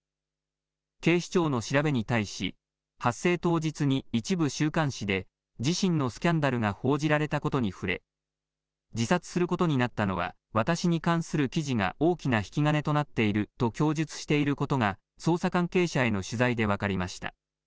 警視庁の調べに対し、発生当日に一部週刊誌で自身のスキャンダルが報じられたことに触れ、自殺することになったのは、私に関する記事が大きな引き金となっていると供述していることが捜査関係者への取材で分かりました。